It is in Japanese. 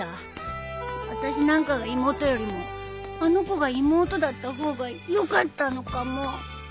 あたしなんかが妹よりもあの子が妹だった方がよかったのかも